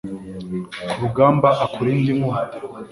ku rugamba, akurinde inkota